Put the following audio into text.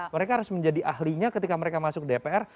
mereka harus menjadi ahlinya ketika mereka masuk dpr